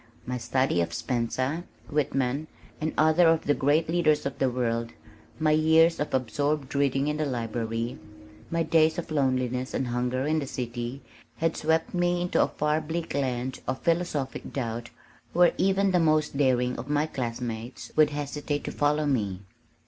My study of Spencer, Whitman and other of the great leaders of the world, my years of absorbed reading in the library, my days of loneliness and hunger in the city had swept me into a far bleak land of philosophic doubt where even the most daring of my classmates would hesitate to follow me.